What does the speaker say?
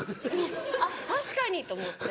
あっ確かに！と思って。